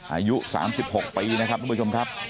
อายุ๓๖ปีนะครับทุกผู้ชมครับ